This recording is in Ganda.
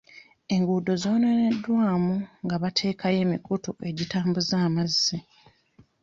Enguudo zoonooneddwa mu nga bateekayo emikutu egitambuza amazzi.